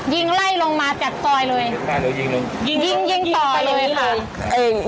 ยิงไล่ลงมาจากซอยเลยยิงยิงต่อเลยค่ะ